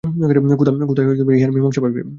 কোথায় ইহার মীমাংসা পাইবে?